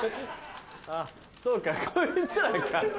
そうかこいつらか。